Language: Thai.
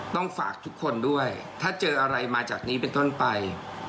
ต้องฝากทุกคนด้วยถ้าเจออะไรมาจากนี้เป็นต้นไป